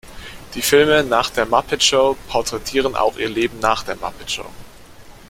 Die Filme nach der Muppet-Show porträtieren auch ihr Leben nach der Muppet Show.